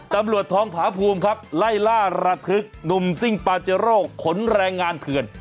ตำรวจทองผาภูมิครับไล่ล่าระทึกหนุ่มซิ่งปาเจโร่ขนแรงงานเขื่อน